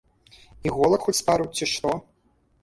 Іголак хоць з пару, ці што?